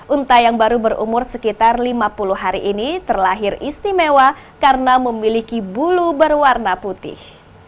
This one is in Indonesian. unta yang baru berumur sekitar lima puluh hari ini terlahir istimewa karena memiliki bulu berwarna putih